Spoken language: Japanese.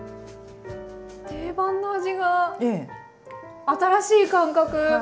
定番の味が新しい感覚。